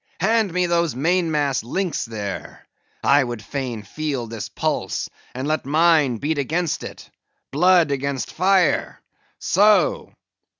Hand me those mainmast links there; I would fain feel this pulse, and let mine beat against it; blood against fire! So."